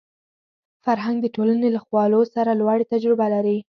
فرهنګ د ټولنې له خوالو سره لوړې تجربه کوي